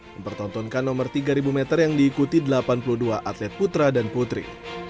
mempertontonkan nomor tiga ribu meter yang diikuti delapan puluh dua atlet putra dan putri